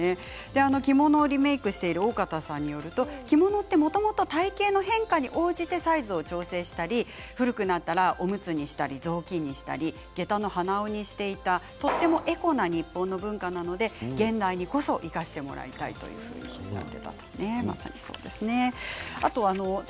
着物をリメークしている大方さんによると着物ってもともと体形の変化に応じてサイズを調整したり古くなったらおむつにしたり雑巾にしたりげたの鼻緒にしたりとてもエコな日本の文化なので現代にこそ生かしてもらいたいとおっしゃっていたということでした。